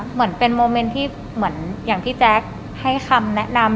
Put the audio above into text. เหมือนเป็นโมเมนต์ที่เหมือนอย่างที่แจ๊คให้คำแนะนำ